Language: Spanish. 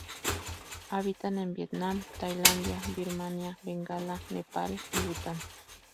Habita en Vietnam, Tailandia, Birmania, Bengala, Nepal y Bután.